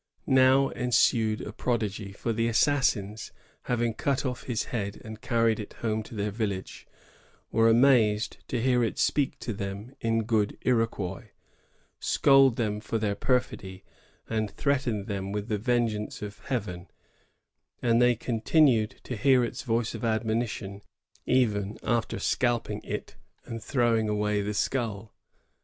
Now ensued a prodigy; for the assassins, having cut off his head and carried it home to their village, were amazed to hear it speak 1667 «1.] PRODIGIES 111 to them in good Iroquois, scold them for their per fidy, and threaten them with the vengeance of Heayen; and they continued to hear its voice of admonition even after scalping it and throwing away the skull.